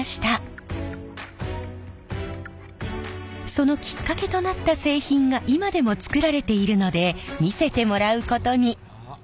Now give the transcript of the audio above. そのきっかけとなった製品が今でも作られているので見せてもらうことに。